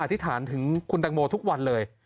ธิษฐานถึงคุณตังโมทุกวันเลย